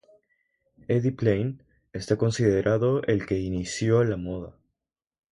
Eddie Plein, está considerado el que inició la moda.